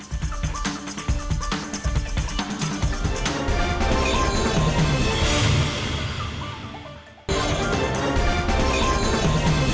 jangan lupa subscribe channel ini